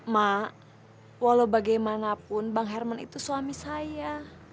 mak walau bagaimanapun bang herman itu suami saya